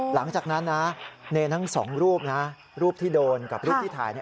หลังจากนั้นนะเนรทั้งสองรูปนะรูปที่โดนกับรูปที่ถ่าย